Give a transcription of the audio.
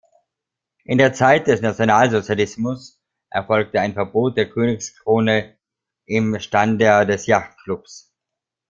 In der Zeit des Nationalsozialismus erfolgte ein Verbot der Königskrone im Stander des Yachtclubs.